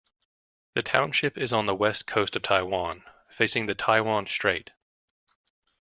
The township is on the west coast of Taiwan, facing the Taiwan Strait.